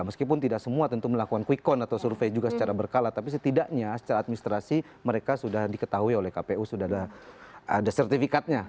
apapun tidak semua tentu melakukan kuikon atau survei juga secara berkala tapi setidaknya secara administrasi mereka sudah di ketahui oleh kpu sudah ada sertifikatnya